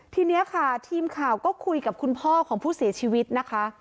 ทีนี้ค่ะทีมข่าวก็คุยกับคุณพ่อของผู้เสียชีวิตนะคะ